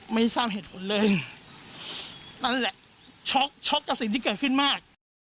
ไม่ทราบเหตุผลเลยนั่นแหละช็อกช็อกกับสิ่งที่เกิดขึ้นมาก